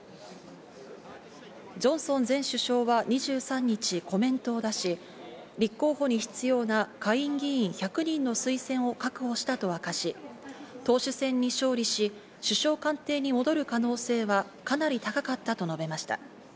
ジョンソン前首相は２３日、コメントを出し、立候補に必要な下院議員１００人の推薦を確保したと明かし、党首選に勝利し、首相官邸に戻る可能性はかなり高かったと述べました。